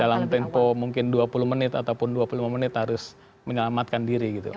dalam tempo mungkin dua puluh menit ataupun dua puluh lima menit harus menyelamatkan diri gitu